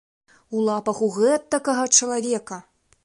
У лапах у гэтакага чалавека!